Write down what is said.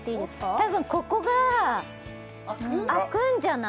たぶんここが開くんじゃない？